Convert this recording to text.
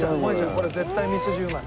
これ絶対ミスジうまい。